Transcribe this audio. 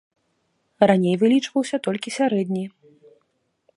Раней вылічваўся толькі сярэдні.